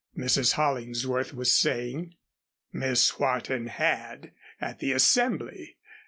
Mrs. Hollingsworth was saying. Miss Wharton had, at the Assembly.